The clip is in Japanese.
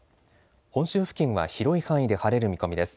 本州付近は広い範囲で晴れる見込みです。